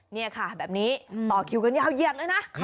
นี่ค่ะแบบนี้ต่อคิวกันยาวเหยียดเลยนะ